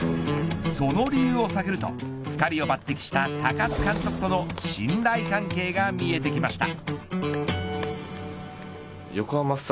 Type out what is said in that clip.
その理由を探ると２人を抜てきした高津監督との信頼関係が見えてきました。